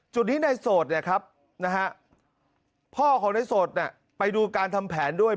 จุดนี้ในโสดเนี่ยครับนะฮะพ่อของในโสดไปดูการทำแผนด้วย